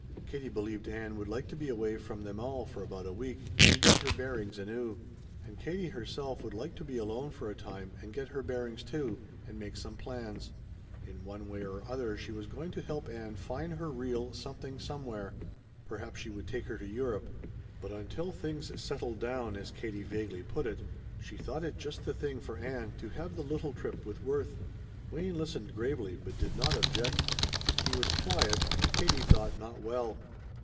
Katie believed Ann would like to be away from them all for about a week, and get her bearings anew. And Katie herself would like to be alone for a time and get her bearings, too, and make some plans. In one way or other she was going to help Ann find her real Something Somewhere. Perhaps she would take her to Europe. But until things settled down, as Katie vaguely put it, she thought it just the thing for Ann to have the little trip with Worth. Wayne listened gravely, but did not object. He was quiet, and, Katie thought, not well.